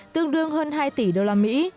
tương đương hơn hai tỷ đô la mỹ